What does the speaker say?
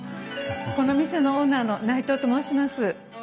この店のオーナーの内藤と申します。